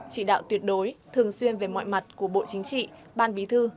chỉ đạo tuyệt đối thường xuyên về mọi mặt của bộ chính trị ban bí thư